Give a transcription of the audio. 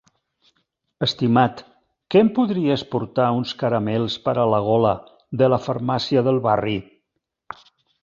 Estimat, que em podries portar uns caramels per a la gola de la farmàcia del barri?